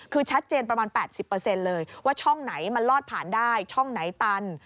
คือชัดเจนประมาณ๘๐เลยว่าช่องไหนมันลอดผ่านได้ช่องไหนตัน